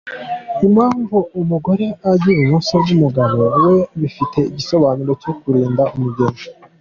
Impamvu umugore ajya ibumoso bw’umugabo we bifite igisobanuro cyo kurinda umugeni.